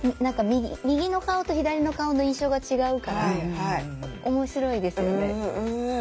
右の顔と左の顔の印象が違うから面白いですよね。